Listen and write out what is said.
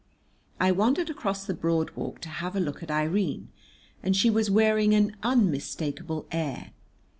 I wandered across the Broad Walk to have a look at Irene, and she was wearing an unmistakable air.